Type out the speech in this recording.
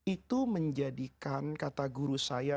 itu menjadikan kata guru saya